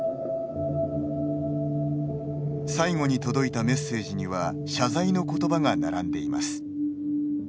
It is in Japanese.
最後に届いたメッセージには謝罪の言葉が並んでいます。